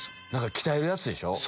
鍛えるやつでしょ。